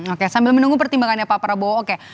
oke sambil menunggu pertimbangannya pak prabowo oke